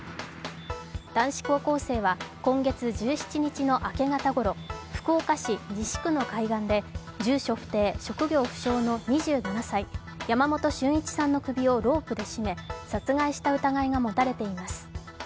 男子高校生は今月１７日の明け方ごろ福岡市西区の海岸で、住所不定・職業不詳の２７歳、山本駿一さんの首をロープで絞め殺害した疑いが持たれています。